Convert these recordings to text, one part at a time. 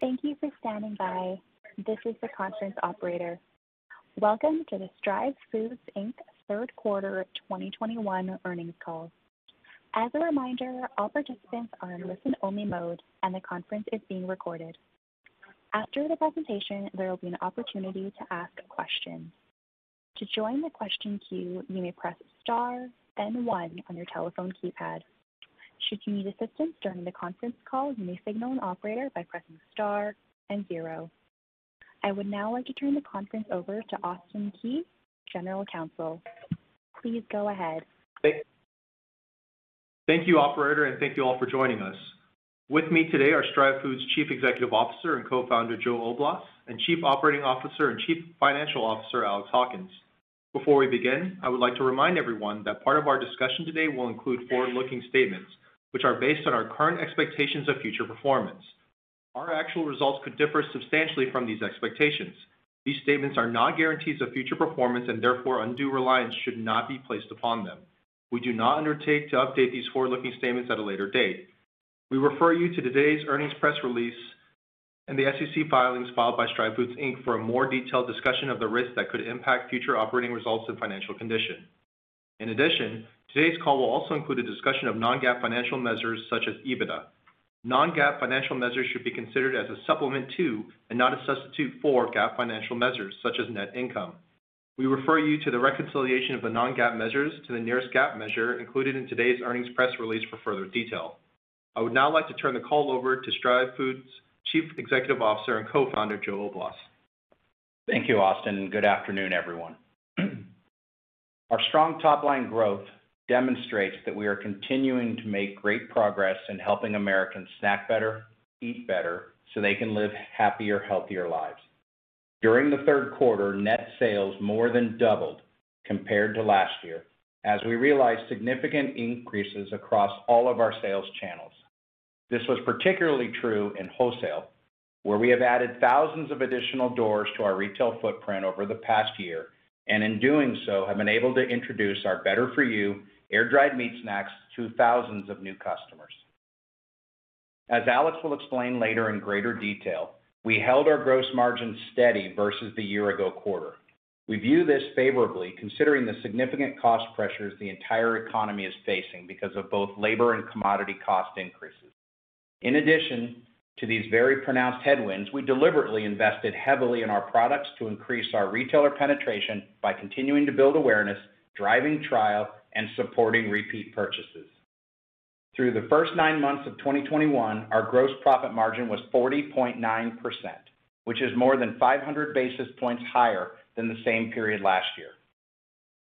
Thank you for standing by. This is the conference operator. Welcome to the Stryve Foods, Inc. Third Quarter 2021 Earnings Call. As a reminder, all participants are in listen-only mode, and the conference is being recorded. After the presentation, there will be an opportunity to ask questions. To join the question queue, you may press star then one on your telephone keypad. Should you need assistance during the conference call, you may signal an operator by pressing star and zero. I would now like to turn the conference over to Austin Ke, General Counsel. Please go ahead. Thank you, operator, and thank you all for joining us. With me today are Stryve Foods Chief Executive Officer and Co-founder, Joe Oblas, and Chief Operating Officer and Chief Financial Officer, Alex Hawkins. Before we begin, I would like to remind everyone that part of our discussion today will include forward-looking statements, which are based on our current expectations of future performance. Our actual results could differ substantially from these expectations. These statements are not guarantees of future performance, and therefore, undue reliance should not be placed upon them. We do not undertake to update these forward-looking statements at a later date. We refer you to today's earnings press release and the SEC filings filed by Stryve Foods, Inc. for a more detailed discussion of the risks that could impact future operating results and financial condition. In addition, today's call will also include a discussion of non-GAAP financial measures such as EBITDA. Non-GAAP financial measures should be considered as a supplement to, and not a substitute for, GAAP financial measures such as net income. We refer you to the reconciliation of the non-GAAP measures to the nearest GAAP measure included in today's earnings press release for further detail. I would now like to turn the call over to Stryve Foods Chief Executive Officer and Co-founder, Joe Oblas. Thank you, Austin, and good afternoon, everyone. Our strong top-line growth demonstrates that we are continuing to make great progress in helping Americans snack better, eat better, so they can live happier, healthier lives. During the third quarter, net sales more than doubled compared to last year as we realized significant increases across all of our sales channels. This was particularly true in wholesale, where we have added thousands of additional doors to our retail footprint over the past year, and in doing so, have been able to introduce our better for you air-dried meat snacks to thousands of new customers. As Alex will explain later in greater detail, we held our gross margin steady versus the year ago quarter. We view this favorably considering the significant cost pressures the entire economy is facing because of both labor and commodity cost increases. In addition to these very pronounced headwinds, we deliberately invested heavily in our products to increase our retailer penetration by continuing to build awareness, driving trial, and supporting repeat purchases. Through the first nine months of 2021, our gross profit margin was 40.9%, which is more than 500 basis points higher than the same period last year.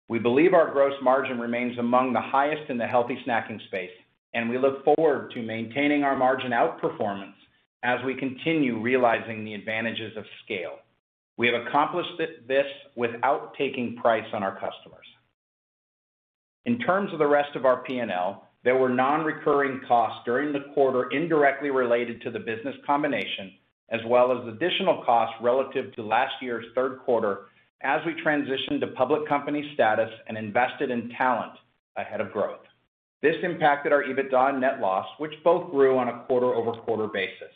We believe our gross margin remains among the highest in the healthy snacking space, and we look forward to maintaining our margin outperformance as we continue realizing the advantages of scale. We have accomplished this without taking price on our customers. In terms of the rest of our P&L, there were non-recurring costs during the quarter indirectly related to the business combination, as well as additional costs relative to last year's third quarter as we transitioned to public company status and invested in talent ahead of growth. This impacted our EBITDA and net loss, which both grew on a quarter-over-quarter basis.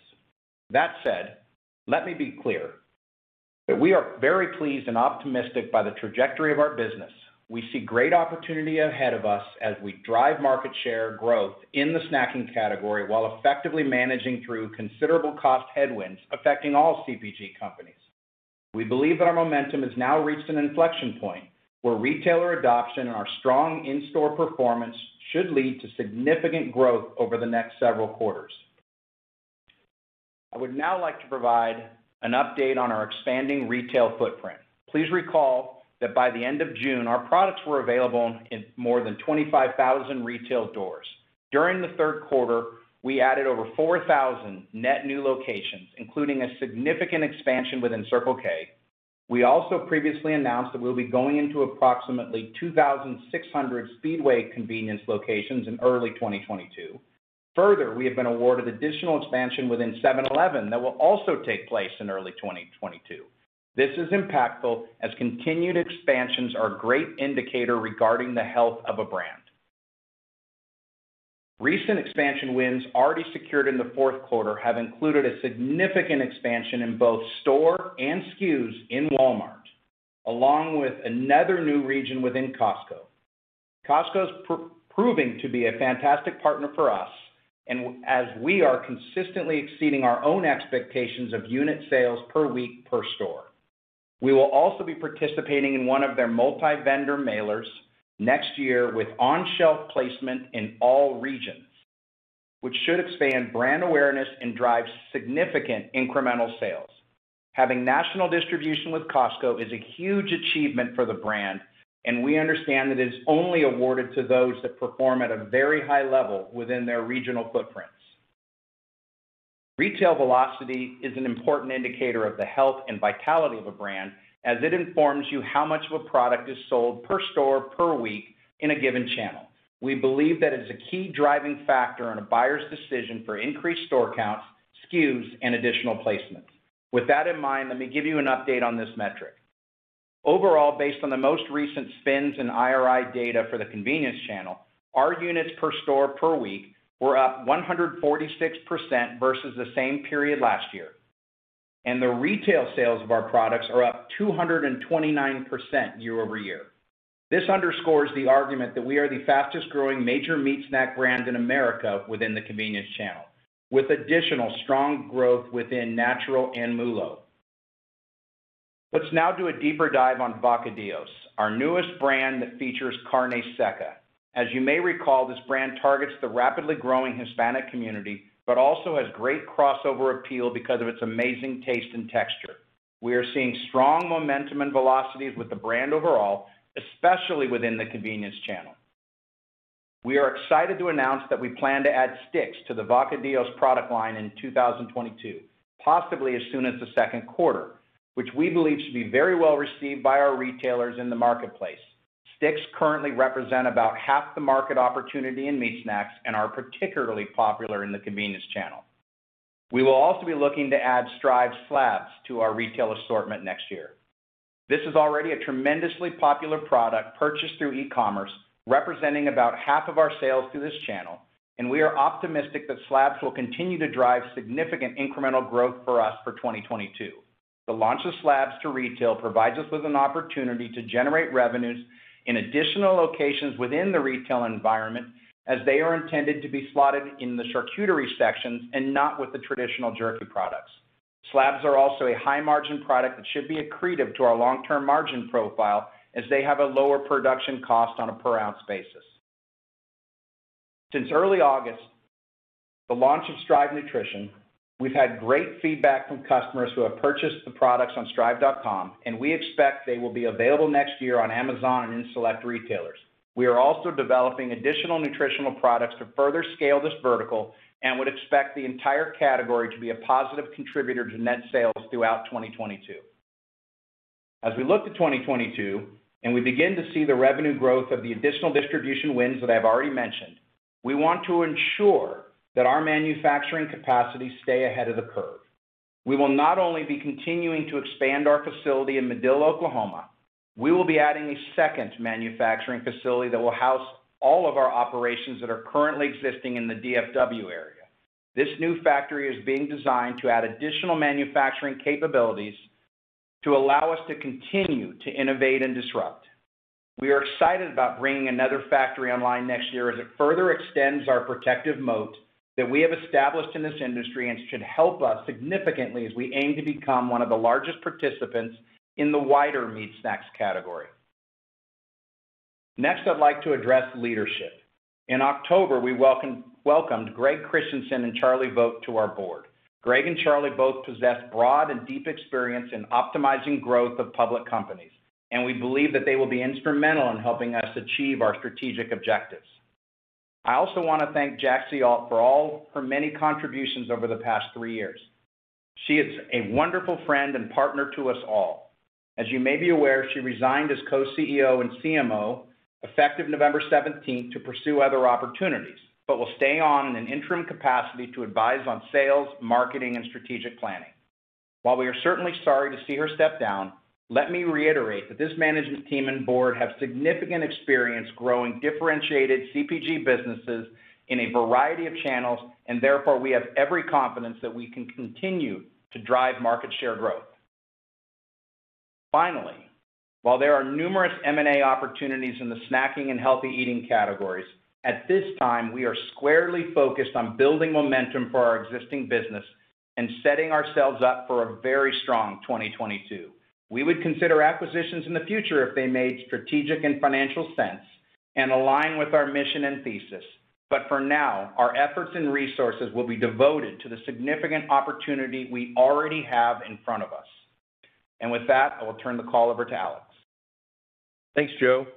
That said, let me be clear that we are very pleased and optimistic by the trajectory of our business. We see great opportunity ahead of us as we drive market share growth in the snacking category while effectively managing through considerable cost headwinds affecting all CPG companies. We believe that our momentum has now reached an inflection point where retailer adoption and our strong in-store performance should lead to significant growth over the next several quarters. I would now like to provide an update on our expanding retail footprint. Please recall that by the end of June, our products were available in more than 25,000 retail doors. During the third quarter, we added over 4,000 net new locations, including a significant expansion within Circle K. We also previously announced that we'll be going into approximately 2,600 Speedway convenience locations in early 2022. Further, we have been awarded additional expansion within 7-Eleven that will also take place in early 2022. This is impactful as continued expansions are a great indicator regarding the health of a brand. Recent expansion wins already secured in the fourth quarter have included a significant expansion in both store and SKUs in Walmart, along with another new region within Costco. Costco is proving to be a fantastic partner for us, and as we are consistently exceeding our own expectations of unit sales per week per store. We will also be participating in one of their multi-vendor mailers next year with on-shelf placement in all regions, which should expand brand awareness and drive significant incremental sales. Having national distribution with Costco is a huge achievement for the brand, and we understand that it is only awarded to those that perform at a very high level within their regional footprints. Retail velocity is an important indicator of the health and vitality of a brand, as it informs you how much of a product is sold per store per week in a given channel. We believe that it's a key driving factor in a buyer's decision for increased store counts, SKUs, and additional placements. With that in mind, let me give you an update on this metric. Overall, based on the most recent SPINS and IRI data for the convenience channel, our units per store per week were up 146% versus the same period last year. The retail sales of our products are up 229% year-over-year. This underscores the argument that we are the fastest-growing major meat snack brand in America within the convenience channel, with additional strong growth within natural and MULO. Let's now do a deeper dive on Vacadillos, our newest brand that features Carne Seca. As you may recall, this brand targets the rapidly growing Hispanic community, but also has great crossover appeal because of its amazing taste and texture. We are seeing strong momentum and velocities with the brand overall, especially within the convenience channel. We are excited to announce that we plan to add sticks to the Vacadillos product line in 2022, possibly as soon as the second quarter, which we believe should be very well received by our retailers in the marketplace. Sticks currently represent about half the market opportunity in meat snacks and are particularly popular in the convenience channel. We will also be looking to add Stryve Slabs to our retail assortment next year. This is already a tremendously popular product purchased through e-commerce, representing about half of our sales through this channel, and we are optimistic that Slabs will continue to drive significant incremental growth for us for 2022. The launch of Slabs to retail provides us with an opportunity to generate revenues in additional locations within the retail environment as they are intended to be slotted in the charcuterie sections and not with the traditional jerky products. Slabs are also a high-margin product that should be accretive to our long-term margin profile as they have a lower production cost on a per-ounce basis. Since early August, the launch of Stryve Nutrition, we've had great feedback from customers who have purchased the products on stryve.com, and we expect they will be available next year on Amazon and in select retailers. We are also developing additional nutritional products to further scale this vertical and would expect the entire category to be a positive contributor to net sales throughout 2022. As we look to 2022, and we begin to see the revenue growth of the additional distribution wins that I've already mentioned, we want to ensure that our manufacturing capacities stay ahead of the curve. We will not only be continuing to expand our facility in Madill, Oklahoma, we will be adding a second manufacturing facility that will house all of our operations that are currently existing in the DFW area. This new factory is being designed to add additional manufacturing capabilities to allow us to continue to innovate and disrupt. We are excited about bringing another factory online next year as it further extends our protective moat that we have established in this industry and should help us significantly as we aim to become one of the largest participants in the wider meat snacks category. Next, I'd like to address leadership. In October, we welcomed Greg Christenson and Charlie Vogt to our board. Greg and Charlie both possess broad and deep experience in optimizing growth of public companies, and we believe that they will be instrumental in helping us achieve our strategic objectives. I also want to thank Jaxie Alt for all her many contributions over the past three years. She is a wonderful friend and partner to us all. As you may be aware, she resigned as Co-CEO and CMO effective November 17th to pursue other opportunities, but will stay on in an interim capacity to advise on sales, marketing, and strategic planning. While we are certainly sorry to see her step down, let me reiterate that this management team and board have significant experience growing differentiated CPG businesses in a variety of channels, and therefore, we have every confidence that we can continue to drive market share growth. Finally, while there are numerous M&A opportunities in the snacking and healthy eating categories, at this time, we are squarely focused on building momentum for our existing business and setting ourselves up for a very strong 2022. We would consider acquisitions in the future if they made strategic and financial sense and align with our mission and thesis. For now, our efforts and resources will be devoted to the significant opportunity we already have in front of us. With that, I will turn the call over to Alex. Thanks, Joe.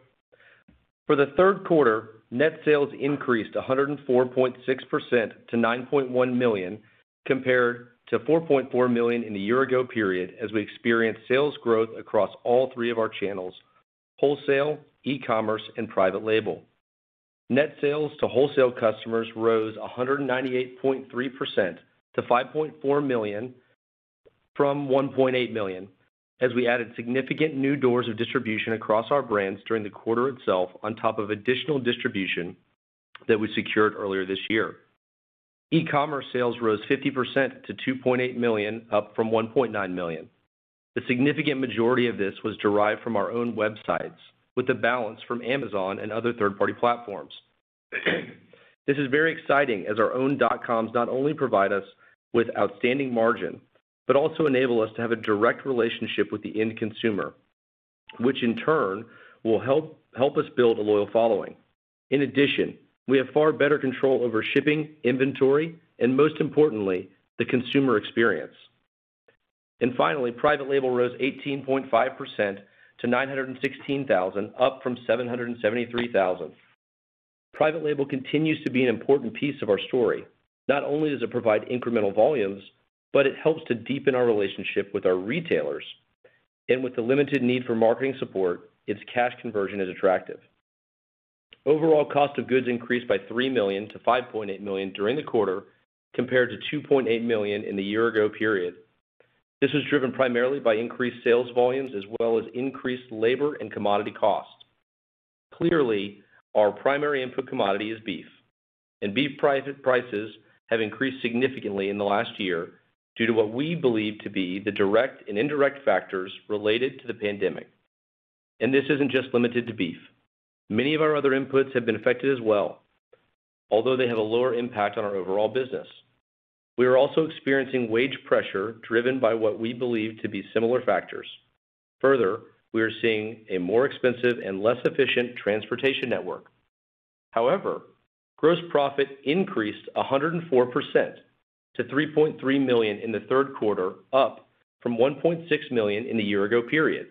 For the third quarter, net sales increased 104.6% to $9.1 million compared to $4.4 million in the year-ago period as we experienced sales growth across all three of our channels, wholesale, e-commerce, and private label. Net sales to wholesale customers rose 198.3% to $5.4 million from $1.8 million as we added significant new doors of distribution across our brands during the quarter itself on top of additional distribution that we secured earlier this year. E-commerce sales rose 50% to $2.8 million, up from $1.9 million. The significant majority of this was derived from our own websites with the balance from Amazon and other third-party platforms. This is very exciting as our own dot-coms not only provide us with outstanding margin but also enable us to have a direct relationship with the end consumer, which in turn will help us build a loyal following. In addition, we have far better control over shipping, inventory, and most importantly, the consumer experience. Finally, private label rose 18.5% to 916,000, up from 773,000. Private label continues to be an important piece of our story. Not only does it provide incremental volumes, but it helps to deepen our relationship with our retailers. With the limited need for marketing support, its cash conversion is attractive. Overall cost of goods increased by $3 million-$5.8 million during the quarter compared to $2.8 million in the year ago period. This was driven primarily by increased sales volumes as well as increased labor and commodity costs. Clearly, our primary input commodity is beef, and beef prices have increased significantly in the last year due to what we believe to be the direct and indirect factors related to the pandemic. This isn't just limited to beef. Many of our other inputs have been affected as well, although they have a lower impact on our overall business. We are also experiencing wage pressure driven by what we believe to be similar factors. Further, we are seeing a more expensive and less efficient transportation network. However, gross profit increased 104% to $3.3 million in the third quarter, up from $1.6 million in the year ago period.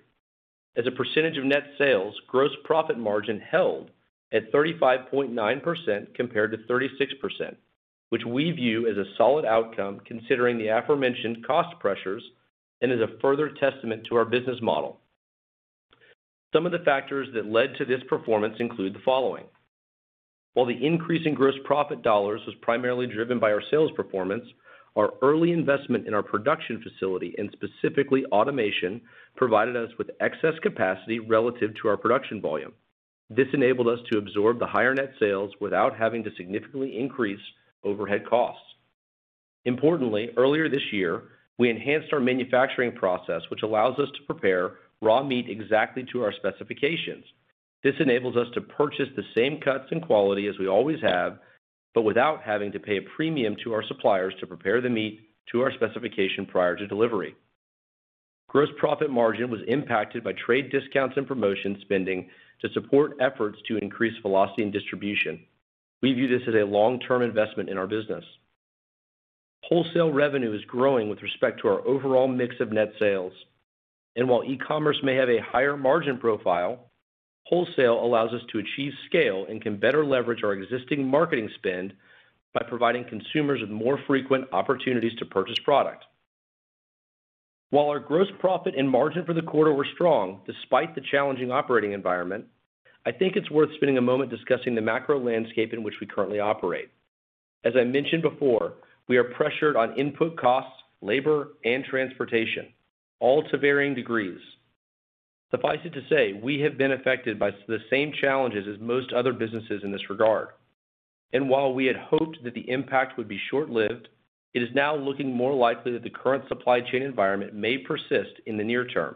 As a percentage of net sales, gross profit margin held at 35.9% compared to 36%, which we view as a solid outcome considering the aforementioned cost pressures and is a further testament to our business model. Some of the factors that led to this performance include the following. While the increase in gross profit dollars was primarily driven by our sales performance, our early investment in our production facility, and specifically automation, provided us with excess capacity relative to our production volume. This enabled us to absorb the higher net sales without having to significantly increase overhead costs. Importantly, earlier this year, we enhanced our manufacturing process, which allows us to prepare raw meat exactly to our specifications. This enables us to purchase the same cuts and quality as we always have, but without having to pay a premium to our suppliers to prepare the meat to our specification prior to delivery. Gross profit margin was impacted by trade discounts and promotion spending to support efforts to increase velocity and distribution. We view this as a long-term investment in our business. Wholesale revenue is growing with respect to our overall mix of net sales. While e-commerce may have a higher margin profile, wholesale allows us to achieve scale and can better leverage our existing marketing spend by providing consumers with more frequent opportunities to purchase product. While our gross profit and margin for the quarter were strong despite the challenging operating environment, I think it's worth spending a moment discussing the macro landscape in which we currently operate. As I mentioned before, we are pressured on input costs, labor, and transportation, all to varying degrees. Suffice it to say, we have been affected by the same challenges as most other businesses in this regard. While we had hoped that the impact would be short-lived, it is now looking more likely that the current supply chain environment may persist in the near term.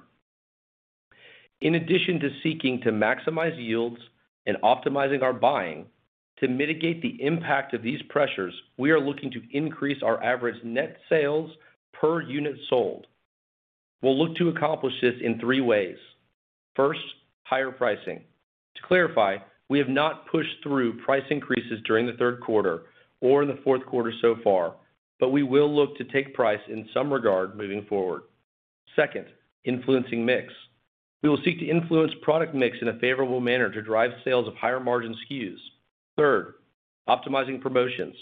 In addition to seeking to maximize yields and optimizing our buying, to mitigate the impact of these pressures, we are looking to increase our average net sales per unit sold. We'll look to accomplish this in three ways. First, higher pricing. To clarify, we have not pushed through price increases during the third quarter or in the fourth quarter so far, but we will look to take price in some regard moving forward. Second, influencing mix. We will seek to influence product mix in a favorable manner to drive sales of higher-margin SKUs. Third, optimizing promotions.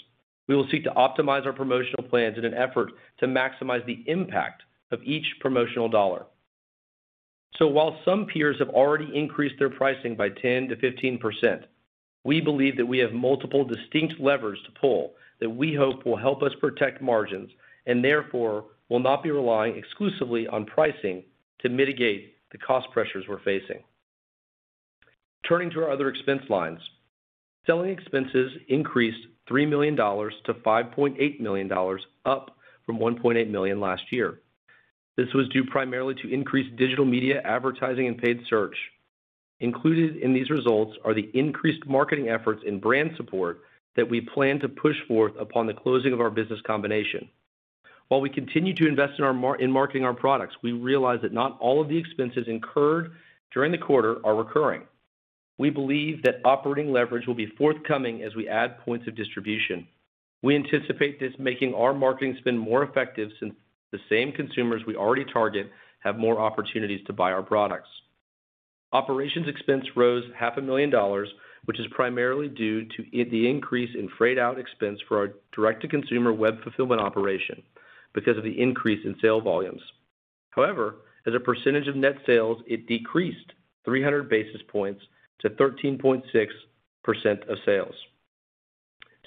We will seek to optimize our promotional plans in an effort to maximize the impact of each promotional dollar. While some peers have already increased their pricing by 10%-15%, we believe that we have multiple distinct levers to pull that we hope will help us protect margins and therefore will not be relying exclusively on pricing to mitigate the cost pressures we're facing. Turning to our other expense lines. Selling expenses increased $3 million-$5.8 million, up from $1.8 million last year. This was due primarily to increased digital media advertising and paid search. Included in these results are the increased marketing efforts in brand support that we plan to push forth upon the closing of our business combination. While we continue to invest in our marketing our products, we realize that not all of the expenses incurred during the quarter are recurring. We believe that operating leverage will be forthcoming as we add points of distribution. We anticipate this making our marketing spend more effective since the same consumers we already target have more opportunities to buy our products. Operations expense rose half a million dollars, which is primarily due to the increase in freight out expense for our direct-to-consumer web fulfillment operation because of the increase in sales volumes. However, as a percentage of net sales, it decreased 300 basis points to 13.6% of sales.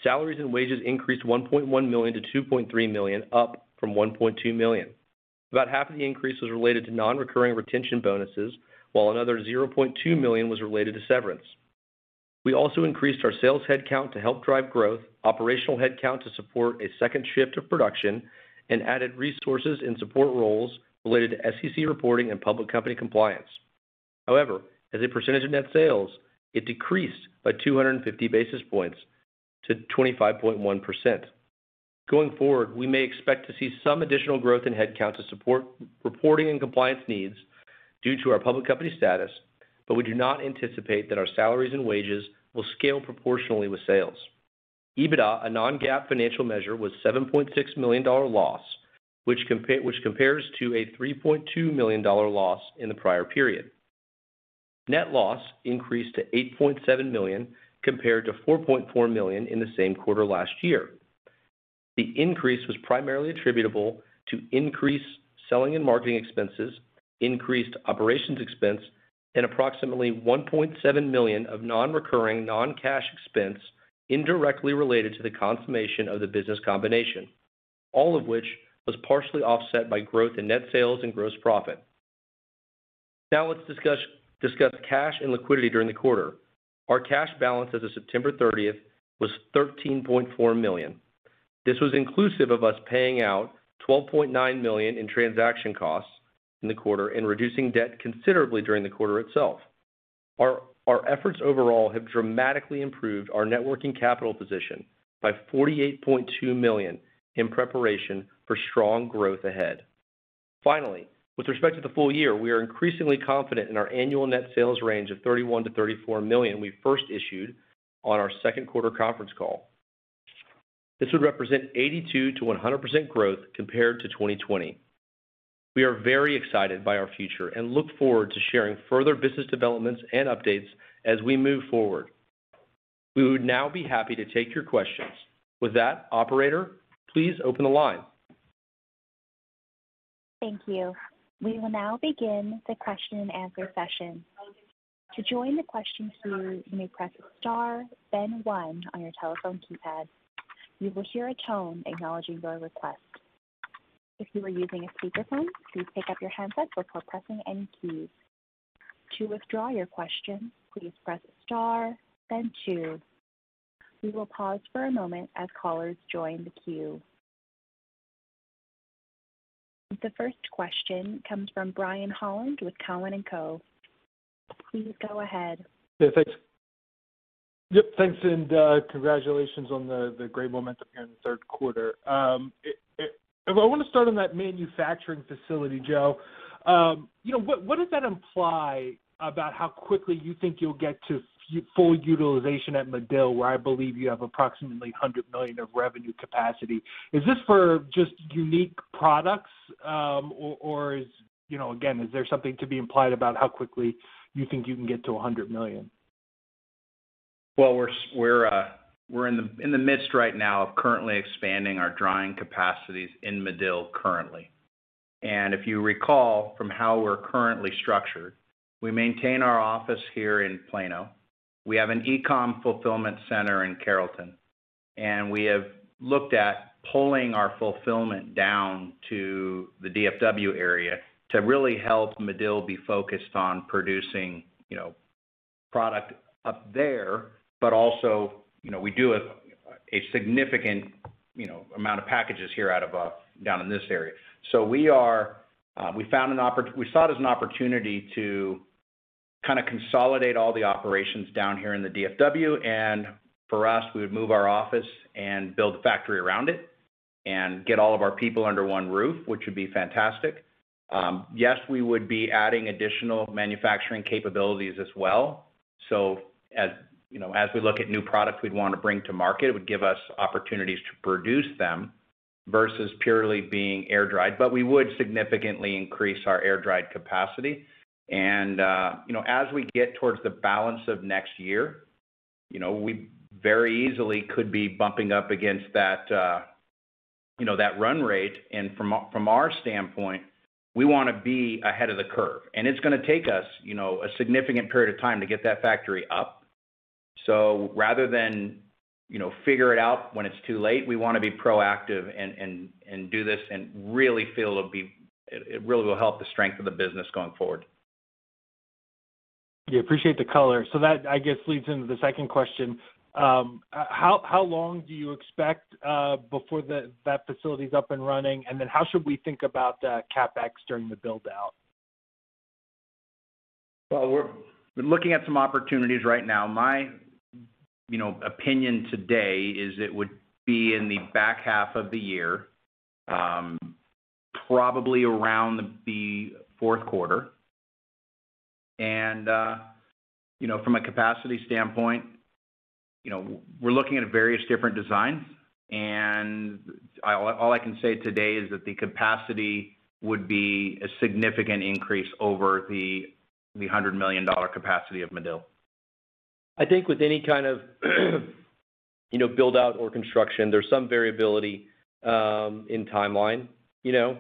Salaries and wages increased $1.1 million-$2.3 million, up from $1.2 million. About half of the increase was related to non-recurring retention bonuses, while another $0.2 million was related to severance. We also increased our sales headcount to help drive growth, operational headcount to support a second shift of production, and added resources in support roles related to SEC reporting and public company compliance. However, as a percentage of net sales, it decreased by 250 basis points to 25.1%. Going forward, we may expect to see some additional growth in headcount to support reporting and compliance needs due to our public company status, but we do not anticipate that our salaries and wages will scale proportionally with sales. EBITDA, a non-GAAP financial measure, was a $7.6 million loss, which compares to a $3.2 million loss in the prior period. Net loss increased to $8.7 million compared to $4.4 million in the same quarter last year. The increase was primarily attributable to increased selling and marketing expenses, increased operations expense, and approximately $1.7 million of non-recurring non-cash expense indirectly related to the consummation of the business combination, all of which was partially offset by growth in net sales and gross profit. Now let's discuss cash and liquidity during the quarter. Our cash balance as of September 30th was $13.4 million. This was inclusive of us paying out $12.9 million in transaction costs in the quarter and reducing debt considerably during the quarter itself. Our efforts overall have dramatically improved our net working capital position by $48.2 million in preparation for strong growth ahead. Finally, with respect to the full year, we are increasingly confident in our annual net sales range of $31 million-$34 million we first issued on our second quarter conference call. This would represent 82%-100% growth compared to 2020. We are very excited by our future and look forward to sharing further business developments and updates as we move forward. We would now be happy to take your questions. With that, operator, please open the line. Thank you. We will now begin the question and answer session. To join the question queue, you may press star then one on your telephone keypad. You will hear a tone acknowledging your request. If you are using a speakerphone, please pick up your handset before pressing any keys. To withdraw your question, please press star then two. We will pause for a moment as callers join the queue. The first question comes from Brian Holland with Cowen and Co. Please go ahead. Thanks and congratulations on the great momentum here in the third quarter. I want to start on that manufacturing facility, Joe. You know, what does that imply about how quickly you think you'll get to full utilization at Madill, where I believe you have approximately $100 million of revenue capacity? Is this for just unique products, or is, you know, again, is there something to be implied about how quickly you think you can get to $100 million? Well, we're in the midst right now of currently expanding our drying capacities in Madill currently. If you recall from how we're currently structured, we maintain our office here in Plano. We have an e-com fulfillment center in Carrollton, and we have looked at pulling our fulfillment down to the DFW area to really help Madill be focused on producing, you know, product up there. Also, you know, we do a significant, you know, amount of packages here out of down in this area. We are, we saw it as an opportunity to kind of consolidate all the operations down here in the DFW, and for us, we would move our office and build a factory around it and get all of our people under one roof, which would be fantastic. Yes, we would be adding additional manufacturing capabilities as well. As you know, as we look at new products we'd want to bring to market, it would give us opportunities to produce them versus purely being air-dried. We would significantly increase our air-dried capacity. You know, as we get towards the balance of next year, you know, we very easily could be bumping up against that, you know, that run rate. From our standpoint, we wanna be ahead of the curve. It's gonna take us, you know, a significant period of time to get that factory up. Rather than, you know, figure it out when it's too late, we wanna be proactive and do this and really feel it'll be. It really will help the strength of the business going forward. Yeah, appreciate the color. That, I guess, leads into the second question. How long do you expect before that facility is up and running? How should we think about CapEx during the build-out? Well, we're looking at some opportunities right now. My, you know, opinion today is it would be in the back half of the year, probably around the fourth quarter. You know, from a capacity standpoint, you know, we're looking at various different designs. All I can say today is that the capacity would be a significant increase over the $100 million capacity of Madill. I think with any kind of, you know, build-out or construction, there's some variability in timeline, you know?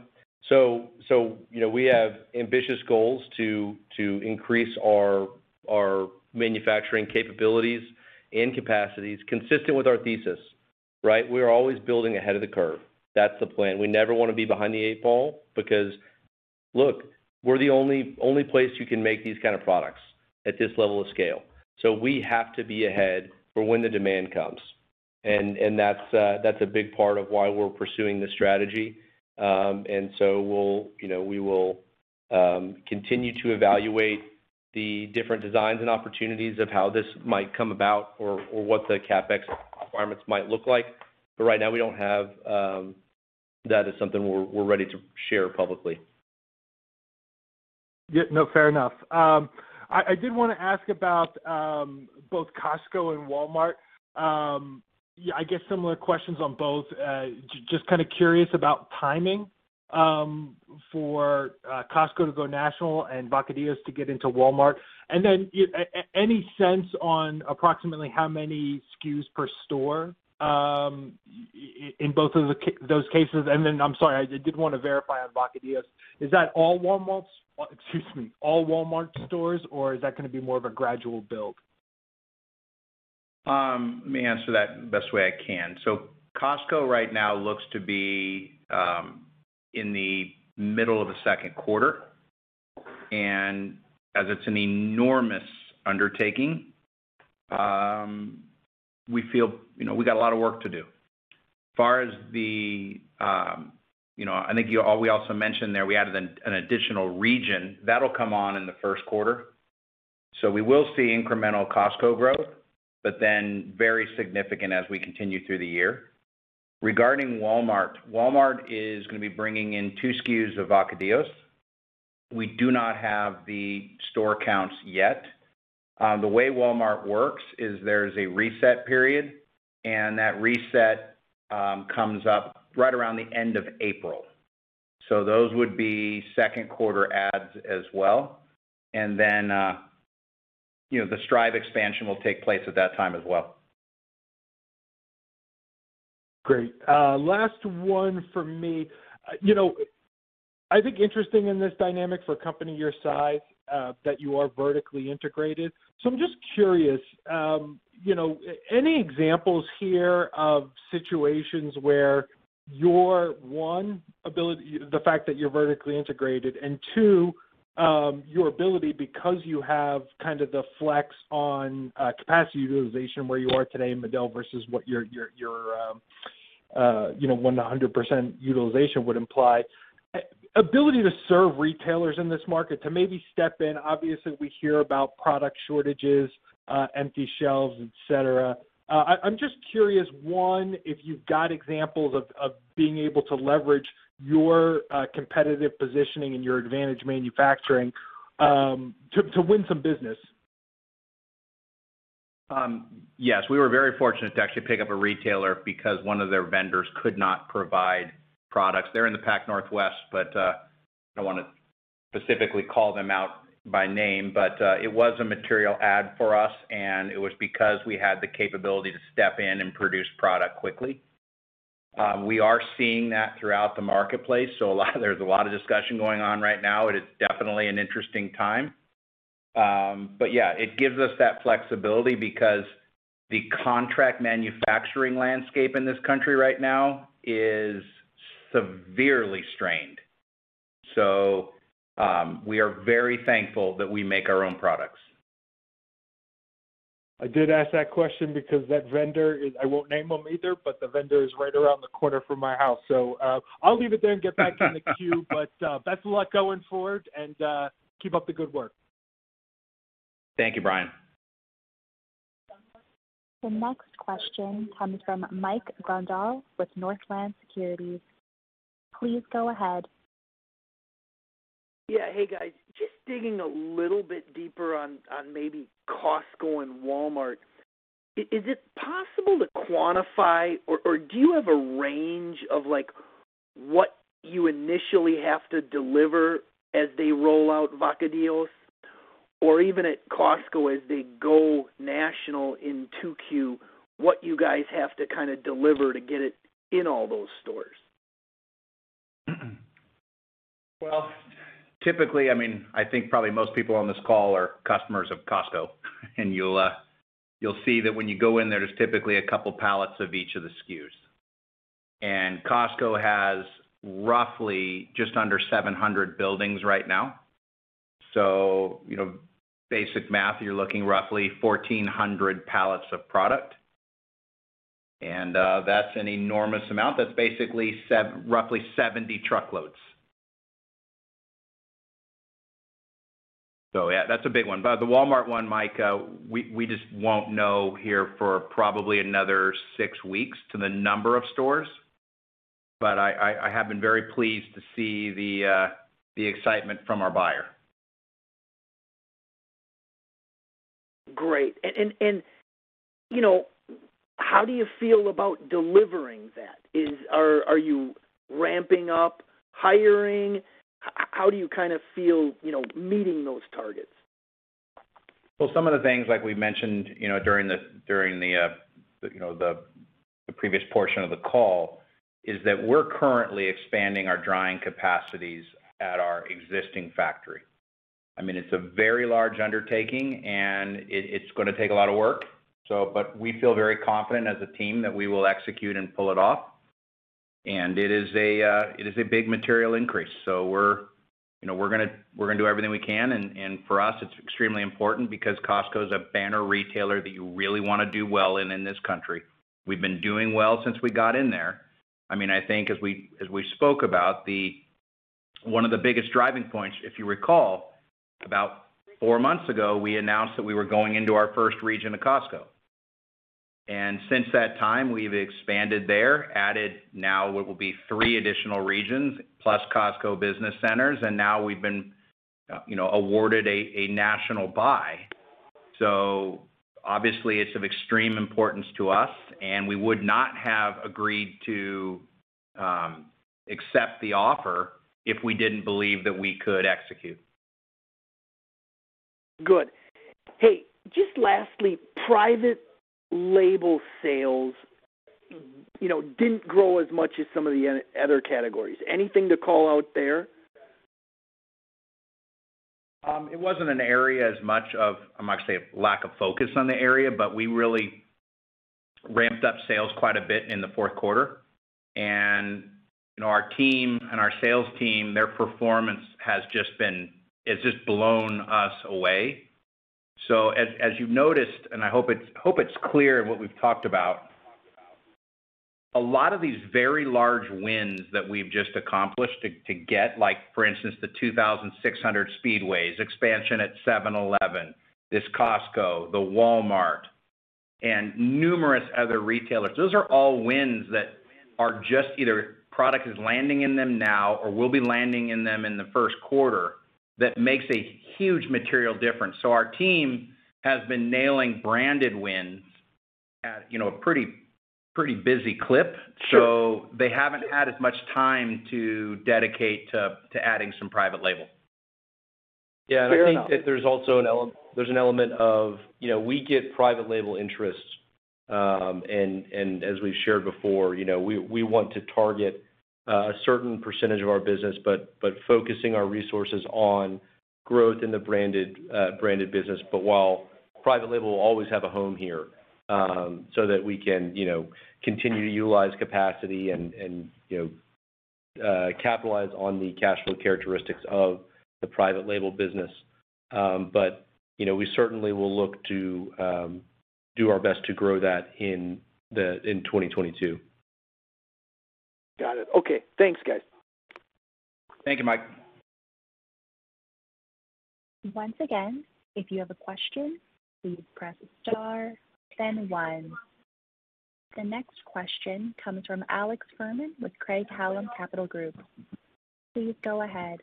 You know, we have ambitious goals to increase our manufacturing capabilities and capacities consistent with our thesis, right? We are always building ahead of the curve. That's the plan. We never wanna be behind the eight ball, because, look, we're the only place you can make these kind of products at this level of scale. We have to be ahead for when the demand comes. That's a big part of why we're pursuing this strategy. We'll, you know, continue to evaluate the different designs and opportunities of how this might come about or what the CapEx requirements might look like. Right now we don't have that as something we're ready to share publicly. Yeah, no, fair enough. I did wanna ask about both Costco and Walmart. Yeah, I guess similar questions on both. Just kinda curious about timing for Costco to go national and Vacadillos to get into Walmart. Any sense on approximately how many SKUs per store in both of those cases? I'm sorry, I did want to verify on Vacadillos, is that all Walmarts? Excuse me, all Walmart stores or is that gonna be more of a gradual build? Let me answer that the best way I can. Costco right now looks to be in the middle of the second quarter, and as it's an enormous undertaking, we feel, you know, we got a lot of work to do. As far as the, you know, we also mentioned there we added an additional region. That'll come on in the first quarter. We will see incremental Costco growth, but then very significant as we continue through the year. Regarding Walmart is gonna be bringing in two SKUs of Vacadillos. We do not have the store counts yet. The way Walmart works is there's a reset period, and that reset comes up right around the end of April. Those would be second quarter adds as well. You know, the Stryve expansion will take place at that time as well. Great. Last one for me. You know, I think it's interesting in this dynamic for a company your size that you are vertically integrated. I'm just curious, you know, any examples here of situations where your one ability, the fact that you're vertically integrated and two, your ability because you have kind of the flex on capacity utilization where you are today in Madill versus what your 1 to 100% utilization would imply, ability to serve retailers in this market to maybe step in. Obviously, we hear about product shortages, empty shelves, et cetera. I'm just curious, one, if you've got examples of being able to leverage your competitive positioning and your advantaged manufacturing to win some business. Yes. We were very fortunate to actually pick up a retailer because one of their vendors could not provide products. They're in the Pacific Northwest, but I don't wanna specifically call them out by name, but it was a material add for us, and it was because we had the capability to step in and produce product quickly. We are seeing that throughout the marketplace, so there's a lot of discussion going on right now. It is definitely an interesting time. Yeah, it gives us that flexibility because the contract manufacturing landscape in this country right now is severely strained. We are very thankful that we make our own products. I did ask that question because that vendor is, I won't name them either, but the vendor is right around the corner from my house. I'll leave it there and get back in the queue. Best of luck going forward and keep up the good work. Thank you, Brian. The next question comes from Mike Grondahl with Northland Securities. Please go ahead. Yeah. Hey, guys. Just digging a little bit deeper on maybe Costco and Walmart. Is it possible to quantify or do you have a range of like what you initially have to deliver as they roll out Vacadillos? Or even at Costco as they go national in 2Q, what you guys have to kinda deliver to get it in all those stores? Well, typically, I mean, I think probably most people on this call are customers of Costco, and you'll see that when you go in there's typically a couple pallets of each of the SKUs. Costco has roughly just under 700 buildings right now. You know, basic math, you're looking roughly 1,400 pallets of product, and that's an enormous amount. That's basically roughly 70 truckloads. Yeah, that's a big one. The Walmart one, Mike, we just won't know here for probably another SIX weeks to the number of stores. I have been very pleased to see the excitement from our buyer. Great. You know, how do you feel about delivering that? Are you ramping up, hiring? How do you kinda feel, you know, meeting those targets? Some of the things like we mentioned, you know, during the previous portion of the call is that we're currently expanding our drying capacities at our existing factory. I mean, it's a very large undertaking, and it's gonna take a lot of work. But we feel very confident as a team that we will execute and pull it off. It is a big material increase. We're, you know, we're gonna do everything we can. For us, it's extremely important because Costco is a banner retailer that you really wanna do well in this country. We've been doing well since we got in there. I mean, I think as we spoke about the One of the biggest driving points, if you recall, about four months ago, we announced that we were going into our first region of Costco. Since that time, we've expanded there, added now what will be three additional regions plus Costco business centers. Now we've been awarded a national buy. Obviously, it's of extreme importance to us, and we would not have agreed to accept the offer if we didn't believe that we could execute. Good. Hey, just lastly, private label sales, you know, didn't grow as much as some of the other categories. Anything to call out there? It wasn't an area as much of, I'm not gonna say a lack of focus on the area, but we really ramped up sales quite a bit in the fourth quarter. You know, our team and our sales team, their performance has just blown us away. As you've noticed, and I hope it's clear in what we've talked about, a lot of these very large wins that we've just accomplished to get, like, for instance, the 2,600 Speedways expansion at 7-Eleven, this Costco, the Walmart, and numerous other retailers. Those are all wins that are just either product is landing in them now or will be landing in them in the first quarter. That makes a huge material difference. Our team has been nailing branded wins at, you know, a pretty busy clip. Sure. They haven't had as much time to dedicate to adding some private label. Fair enough. Yeah. I think that there's also an element of, you know, we get private label interests. As we've shared before, you know, we want to target a certain percentage of our business, but focusing our resources on growth in the branded business. While private label will always have a home here, so that we can, you know, continue to utilize capacity and capitalize on the cash flow characteristics of the private label business. We certainly will look to do our best to grow that in 2022. Got it. Okay. Thanks, guys. Thank you, Mike. The next question comes from Alex Fuhrman with Craig-Hallum Capital Group. Please go ahead.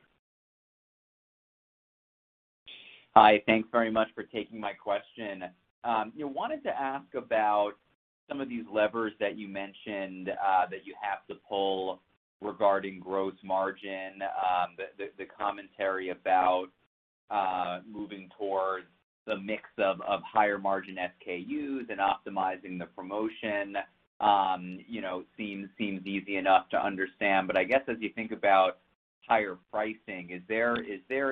Hi. Thanks very much for taking my question. Wanted to ask about some of these levers that you mentioned that you have to pull regarding gross margin. The commentary about moving towards the mix of higher margin SKUs and optimizing the promotion you know seems easy enough to understand. I guess as you think about higher pricing, is there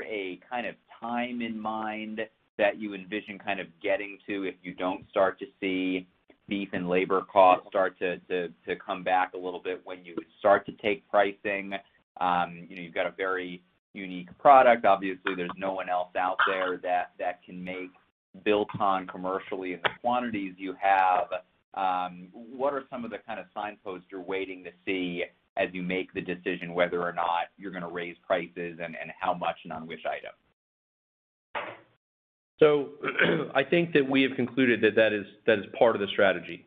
a kind of time in mind that you envision kind of getting to if you don't start to see beef and labor costs start to come back a little bit when you start to take pricing? You know, you've got a very unique product. Obviously, there's no one else out there that can make Biltong commercially in the quantities you have. What are some of the kind of signposts you're waiting to see as you make the decision whether or not you're gonna raise prices and how much and on which item? I think that we have concluded that that is part of the strategy.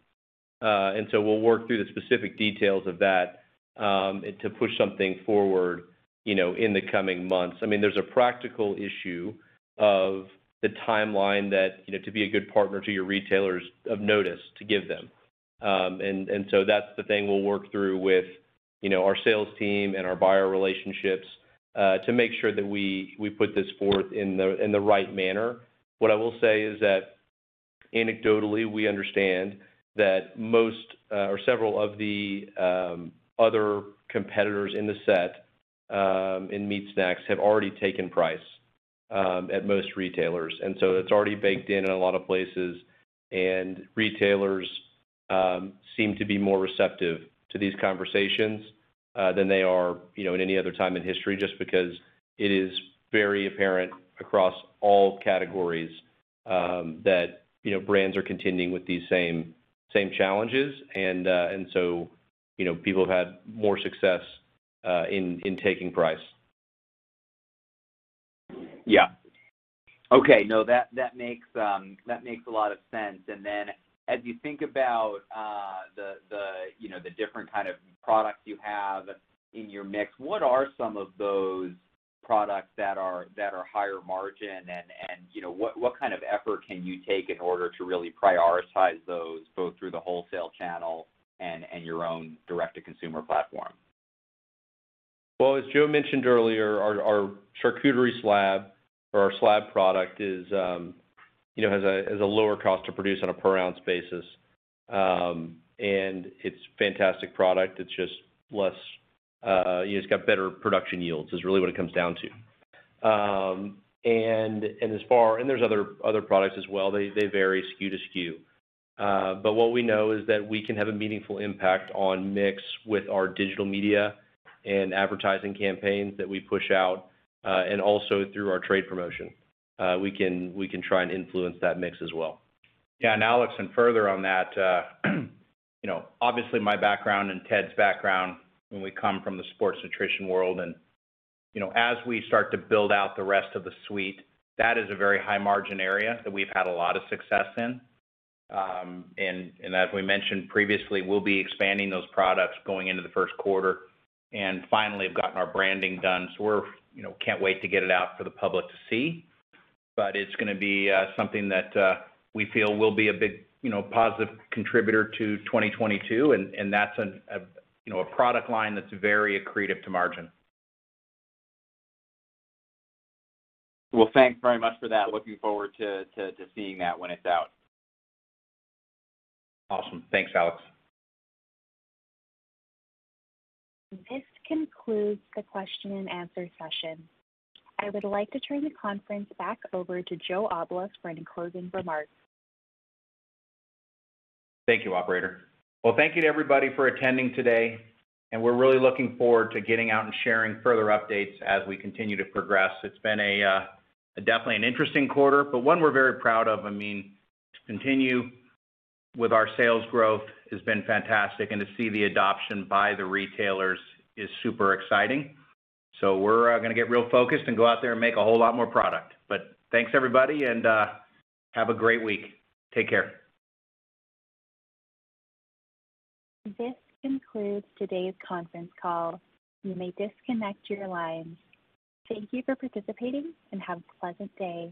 We'll work through the specific details of that and to push something forward, you know, in the coming months. I mean, there's a practical issue of the timeline that, you know, to be a good partner to your retailers of notice to give them. That's the thing we'll work through with, you know, our sales team and our buyer relationships to make sure that we put this forth in the right manner. What I will say is that anecdotally, we understand that most or several of the other competitors in the set in meat snacks have already taken price at most retailers. It's already baked in in a lot of places, and retailers seem to be more receptive to these conversations than they are, you know, at any other time in history, just because it is very apparent across all categories that, you know, brands are continuing with these same challenges. You know, people have had more success in taking price. Yeah. Okay. No, that makes a lot of sense. Then as you think about the you know the different kind of products you have in your mix, what are some of those products that are higher margin? You know what kind of effort can you take in order to really prioritize those both through the wholesale channel and your own direct-to-consumer platform? Well, as Joe mentioned earlier, our charcuterie slab or our Slab product is, you know, has a lower cost to produce on a per ounce basis. It's fantastic product. It's just less, it's got better production yields is really what it comes down to. There's other products as well. They vary SKU to SKU. What we know is that we can have a meaningful impact on mix with our digital media and advertising campaigns that we push out, and also through our trade promotion. We can try and influence that mix as well. Yeah. Alex, further on that, you know, obviously my background and Ted's background we come from the sports nutrition world and, you know, as we start to build out the rest of the suite, that is a very high margin area that we've had a lot of success in. And as we mentioned previously, we'll be expanding those products going into the first quarter and finally have gotten our branding done. We're you know, can't wait to get it out for the public to see. But it's gonna be something that we feel will be a big, you know, positive contributor to 2022, and that's a you know, a product line that's very accretive to margin. Well, thanks very much for that. Looking forward to seeing that when it's out. Awesome. Thanks, Alex. This concludes the question and answer session. I would like to turn the conference back over to Joe Oblas for any closing remarks. Thank you, operator. Well, thank you to everybody for attending today, and we're really looking forward to getting out and sharing further updates as we continue to progress. It's been a definitely an interesting quarter, but one we're very proud of. I mean, to continue with our sales growth has been fantastic, and to see the adoption by the retailers is super exciting. We're gonna get real focused and go out there and make a whole lot more product. Thanks, everybody, and, have a great week. Take care. This concludes today's conference call. You may disconnect your lines. Thank you for participating and have a pleasant day.